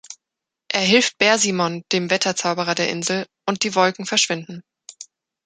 Er hilft Bersimon, dem Wetterzauberer der Insel, und die Wolken verschwinden.